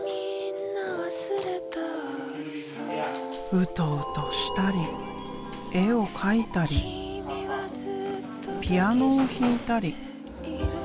ウトウトしたり絵を描いたりピアノを弾いたり。